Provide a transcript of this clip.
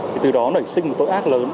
thì từ đó nảy sinh một tội ác lớn